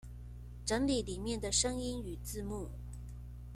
整理裡面的聲音與字幕